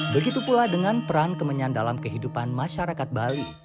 begitu pula dengan peran kemenyan dalam kehidupan masyarakat bali